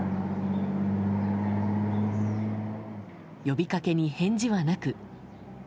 呼びかけに返事はなく。